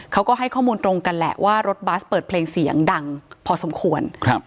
เขาก็ให้ข้อมูลตรงกันแหละว่ารถบัสเปิดเพลงเสียงดังพอสมควร